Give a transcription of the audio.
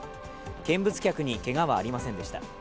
見物客にけがはありませんでした。